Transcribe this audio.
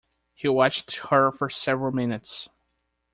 He watched her for several minutes.